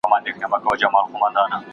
تېروتنې بايد تکرار نه سي.